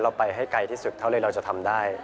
ไปให้ไกลที่สุดเท่าที่เราจะทำได้